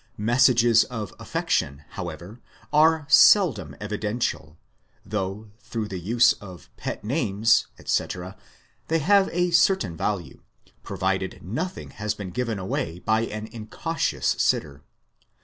Messages of affection, however, are seldom evidential, though through the use of pet names, etc., they have a certain value, provided nothing has been given away by an incautious sitter.